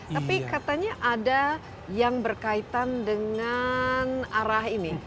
tapi katanya ada yang berkaitan dengan arah ini